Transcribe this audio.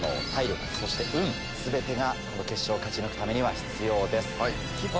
全てがこの決勝を勝ち抜くためには必要です。